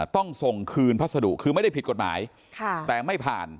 ต้องส่งคืนพัสดุคือไม่ได้ผิดกฎหมายแต่ไม่ผ่าน